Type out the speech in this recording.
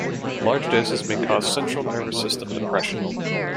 Large doses may cause central nervous system depression.